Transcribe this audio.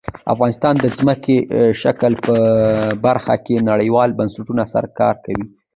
افغانستان د ځمکنی شکل په برخه کې نړیوالو بنسټونو سره کار کوي.